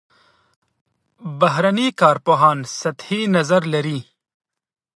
بهرني کارپوهان سطحي نظر لري.